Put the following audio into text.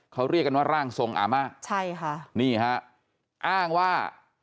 เขาเรียกกันว่าร่างทรงอาม่าใช่ค่ะนี่ฮะอ้างว่า